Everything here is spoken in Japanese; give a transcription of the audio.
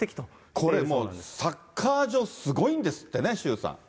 これもう、サッカー場、すごいんですってね、周さん。